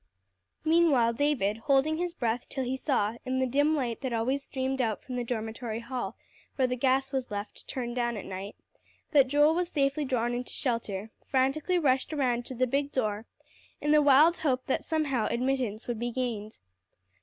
Meanwhile David, holding his breath till he saw, in the dim light that always streamed out from the dormitory hall where the gas was left turned down at night, that Joel was safely drawn in to shelter, frantically rushed around to the big door, in the wild hope that somehow admittance would be gained.